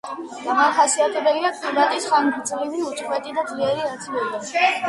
დამახასიათებელია კლიმატის ხანგრძლივი, უწყვეტი და ძლიერი აცივება.